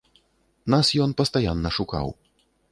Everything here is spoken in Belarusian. Нас ён пастаянна шукаў.